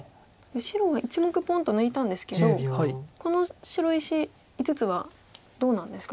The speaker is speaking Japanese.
白は１目ポンと抜いたんですけどこの白石５つはどうなんですか？